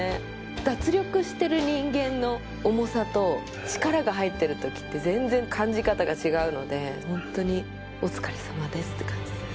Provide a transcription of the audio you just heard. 脱力してる人間の重さと力が入ってる時って全然感じ方が違うのでホントにお疲れさまですって感じです